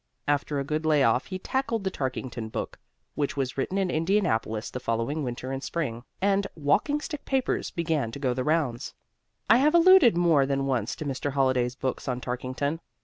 After a good lay off he tackled the Tarkington book, which was written in Indianapolis the following winter and spring. And "Walking Stick Papers" began to go the rounds. I have alluded more than once to Mr. Holliday's book on Tarkington.